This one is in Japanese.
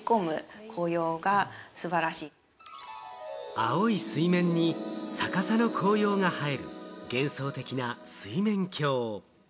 青い水面に逆さの紅葉が映える、幻想的な水面鏡。